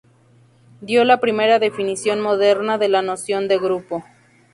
Dio la primera definición moderna de la noción de grupo.